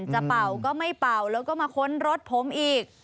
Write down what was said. เป่าก็ไม่เป่าแล้วก็มาค้นรถผมอีก